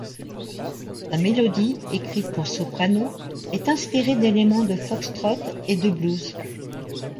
La mélodie, écrite pour soprano, est inspirée d'éléments de foxtrot et de blues.